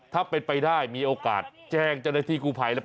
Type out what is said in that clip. ถ้าเป็นไปได้มีโอกาสแจ้งเจ้าหน้าที่กู้ภัยแล้ว